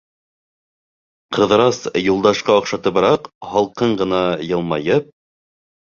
Ҡыҙырас Юлдашҡа оҡшатыбыраҡ, һалҡын ғына йылмайып: